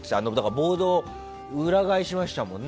ボードを裏返しましたもん。